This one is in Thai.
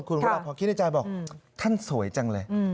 คุณวรพรคิดในใจบอกท่านสวยจังเลย